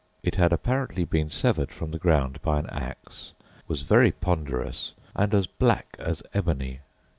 It had apparently been severed from the ground by an axe, was very ponderous, and as black as ebony.